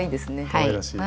かわいらしい。